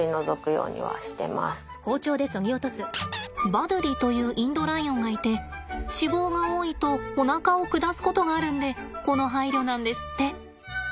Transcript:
バドゥリというインドライオンがいて脂肪が多いとおなかを下すことがあるんでこの配慮なんですって。